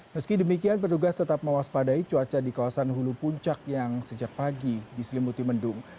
meski demikian petugas tetap mewaspadai cuaca di kawasan hulu puncak yang sejak pagi diselimuti mendung